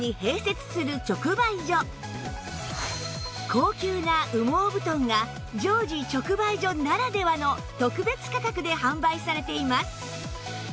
高級な羽毛布団が常時直売所ならではの特別価格で販売されています